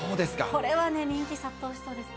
これはね、人気殺到しそうですね。